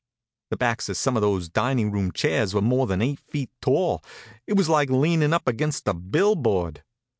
The backs of some of those dining room chairs were more than eight feet tall. It was like leaning up against a billboard.